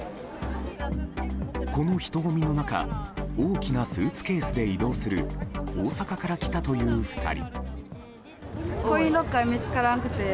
この人ごみの中大きなスーツケースで移動する大阪から来たという２人。